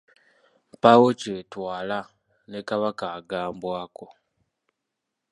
Mpaawo kyetwala ne Kabaka agambwako.